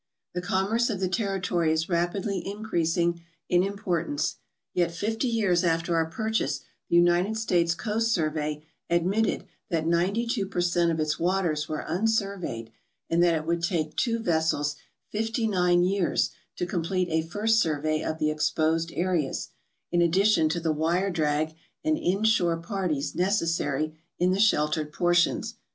The commerce of the territory is rapidly increasing in im portance, yet fifty years after our purchase the United States Coast Survey admitted that ninety two per cent, of its waters were unsurveyed and that it would take two vessels fifty nine years to complete a first survey of the exposed areas, in addition to the wire drag and inshore parties necessary in the sheltered portions.